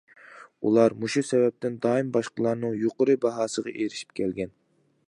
ئۇلار مۇشۇ سەۋەبتىن دائىم باشقىلارنىڭ يۇقىرى باھاسىغا ئېرىشىپ كەلگەن.